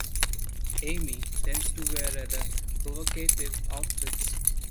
Amy tends to wear rather provocative outfits.